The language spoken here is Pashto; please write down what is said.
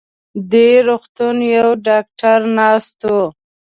دې روغتون يو ډاکټر ناست و.